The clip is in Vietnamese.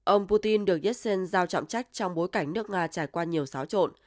ông putin được yasson giao trọng trách trong bối cảnh nước nga trải qua nhiều xáo trộn